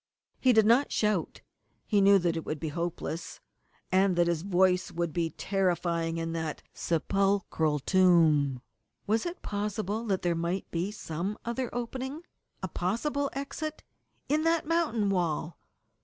He did not shout. He knew that it would be hopeless, and that his voice would be terrifying in that sepulchral tomb. Was it possible that there might be some other opening a possible exit in that mountain wall?